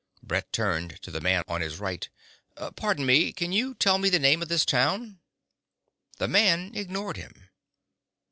Brett turned to the man on his right. "Pardon me. Can you tell me the name of this town?" The man ignored him.